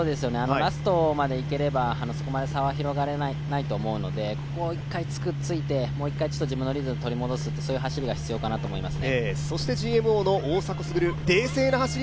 ラストまでいければそこまで差は広がらないと思うのでここ１回くっついて自分のリズムを取り戻す、そういう走りが必要かなと思いますね。